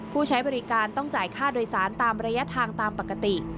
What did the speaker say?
ผู้ใช้บริการต้องจ่ายค่าโดยสารตามระยะทางตามปกติ